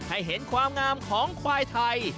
ให้เห็นความงามของควายไทย